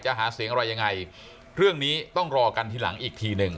หาเสียงอะไรยังไงเรื่องนี้ต้องรอกันทีหลังอีกทีหนึ่ง